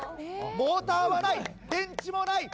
モーターはない電池もない。